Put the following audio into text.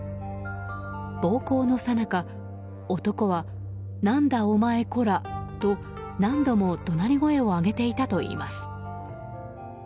暴行のさなか、男は何だお前こらと何度も怒鳴り声を上げていたといいます。